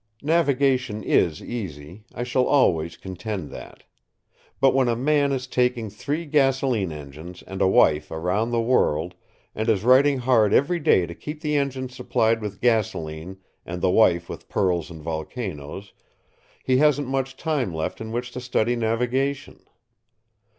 Navigation is easy, I shall always contend that; but when a man is taking three gasolene engines and a wife around the world and is writing hard every day to keep the engines supplied with gasolene and the wife with pearls and volcanoes, he hasn't much time left in which to study navigation.